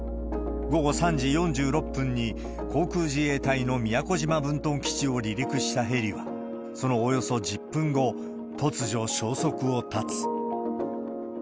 午後３時４６分に航空自衛隊の宮古島分屯基地を離陸したヘリは、そのおよそ１０分後、突如消息を絶つ。